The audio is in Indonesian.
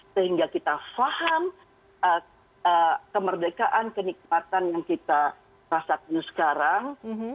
sehingga kita paham kemerdekaan kenikmatan yang kita rasakan sekarang